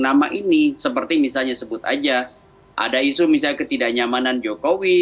nama ini seperti misalnya sebut aja ada isu misalnya ketidaknyamanan jokowi